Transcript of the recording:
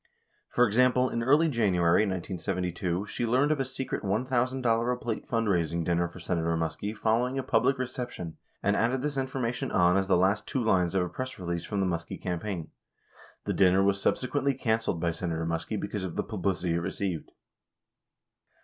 For example, in early January 1972, she learned of a secret $1,000 a plate fundraising dinner for Senator Muskie following a public re ception, and added this information on as the last two lines of a press release from the Muskie campaign. The dinner was subsequently can celled by Senator Muskie because of the publicity it received.